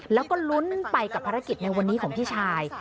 แล้วก็ลุ้นไปกับภารกิจในวันนี้ของพี่ชาย